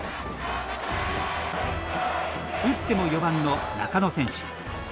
打っても４番の中野選手。